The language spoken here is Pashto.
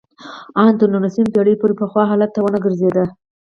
ان تر نولسمې پېړۍ پورې پخوا حالت ته ونه ګرځېده